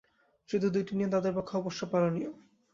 শুধু দুইটি নিয়ম তাঁদের পক্ষে অবশ্য পালনীয়।